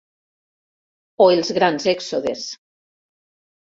O els grans èxodes.